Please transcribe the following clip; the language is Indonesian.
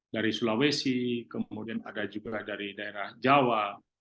dari sulawesi kemudian ada juga dari daerah jawa